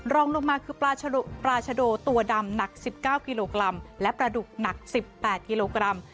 รองลงมาคือปลาชโดตัวดำหนัก๑๙กิโลกรัมและปลาดุกหนัก๑๘กิโลกรัม